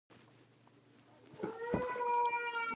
کلی پاک ساتئ